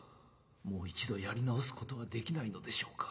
もう一度やり直すことはできないのでしょうか。